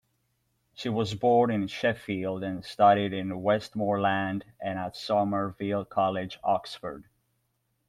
She was born in Sheffield, and studied in Westmorland and at Somerville College, Oxford.